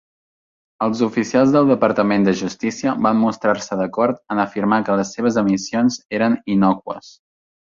Els oficials del Departament de Justícia van mostrar-se d'acord en afirmar que les seves emissions eren "innòcues".